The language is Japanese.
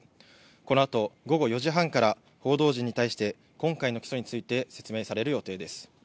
このあと、午後４時半から報道陣に対して、今回の起訴について説明される予定です。